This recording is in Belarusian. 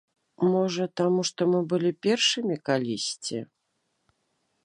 Можа, таму што мы былі першымі калісьці?